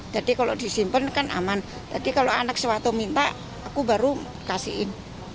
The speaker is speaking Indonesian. jadi kalau disimpen kan aman jadi kalau anak suatu minta aku baru kasihin